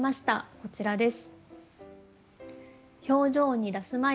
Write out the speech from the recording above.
こちらです。